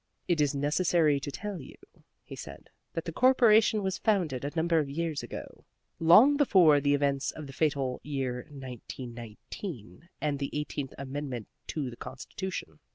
"It is necessary to tell you," he said, "that the Corporation was founded a number of years ago, long before the events of the fatal year 1919 and the Eighteenth Amendment to the Constitution.